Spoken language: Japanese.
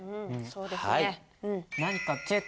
そうですね。